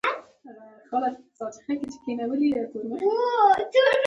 پر سيند باندى د لرګيو زوړ پول د موټرانو د تېرېدو پر وخت.